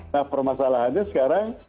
nah permasalahannya sekarang